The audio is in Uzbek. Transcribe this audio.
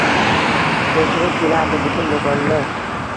Ko’chirib kelardi butun do’konni.